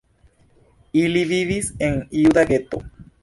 Ili vivis en juda geto.